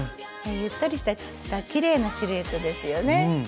ゆったりしたきれいなシルエットですよね。